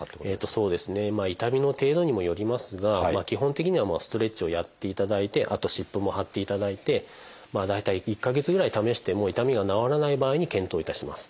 そうですねまあ痛みの程度にもよりますが基本的にはストレッチをやっていただいてあと湿布も貼っていただいてまあ大体１か月ぐらい試しても痛みが治らない場合に検討いたします。